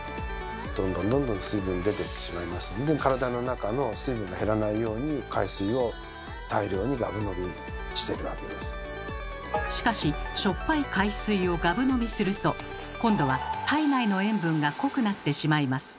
どんどんどんどん水分出てってしまいますのでしかししょっぱい海水をガブ飲みすると今度は体内の塩分が濃くなってしまいます。